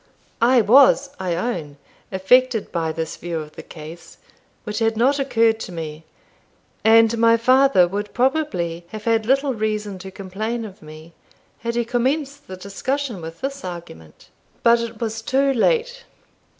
I was, I own, affected by this view of the case, which had not occurred to me; and my father would probably have had little reason to complain of me, had he commenced the discussion with this argument. But it was too late.